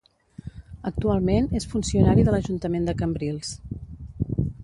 Actualment és funcionari de l'ajuntament de Cambrils.